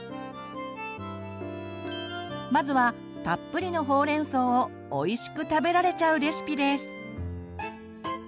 まずはたっぷりのほうれんそうをおいしく食べられちゃうレシピです。